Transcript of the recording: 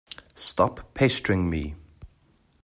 Stop pestering me!